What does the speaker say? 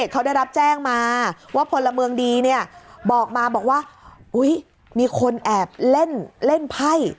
เขาได้รับแจ้งมาว่าพลเมืองดีเนี่ยบอกมาบอกว่ามีคนแอบเล่นไพ่